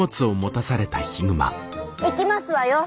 行きますわよ。